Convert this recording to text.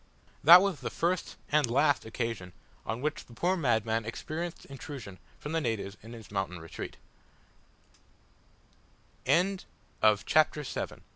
That was the first and last occasion on which the poor madman experienced intrusion from the natives in his mountain retreat. CHAPTER EIGHT.